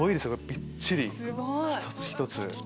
びっちり一つ一つ。